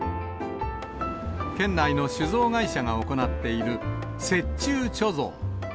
県内の酒造会社が行っている、雪中貯蔵。